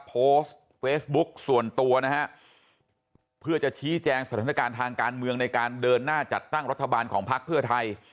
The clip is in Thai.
โพสต์เฟซบุ๊กส่วนตัวนะฮะเพื่อจะชี้แจงสถานการณ์ทางการเมืองในการเดินหน้าจัดตั้งรัฐบาลของพักเพื่อไทย